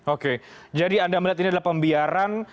oke jadi anda melihat ini adalah pembiaran